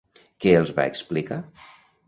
Què els va explicar?